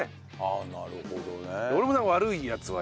ああなるほどね。